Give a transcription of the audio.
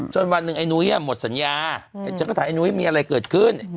วันหนึ่งไอ้นุ้ยหมดสัญญาฉันก็ถามไอ้นุ้ยมีอะไรเกิดขึ้น